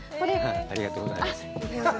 ありがとうございます